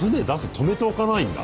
泊めておかないんだ。